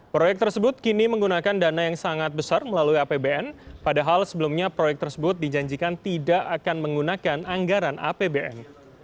proyek tersebut kini menggunakan dana yang sangat besar melalui apbn padahal sebelumnya proyek tersebut dijanjikan tidak akan menggunakan anggaran apbn